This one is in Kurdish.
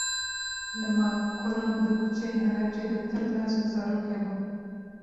Li mal, kolan û di kuçeyên Helepçê de tev laşên zarok hebûn.